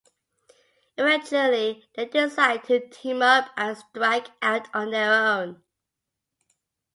Eventually, they decide to team up and strike out on their own.